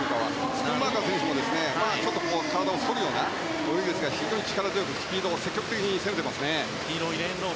スクンマーカー選手も、ちょっと体を反るような泳ぎですが非常に力強く積極的に泳いでいますね。